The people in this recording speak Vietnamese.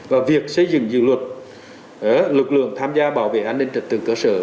và việc xây dựng dự luật lực lượng tham gia bảo vệ an ninh trật tự cơ sở